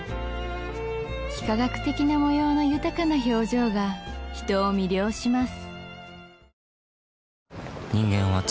幾何学的な模様の豊かな表情が人を魅了します